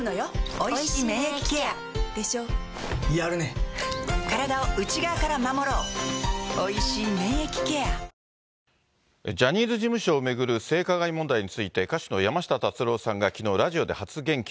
おいしい免疫ケアジャニーズ事務所を巡る性加害問題について歌手の山下達郎さんがきのう、ラジオで初言及。